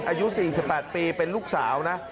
อายุ๔๘ปีเป็นลูกสาวนะ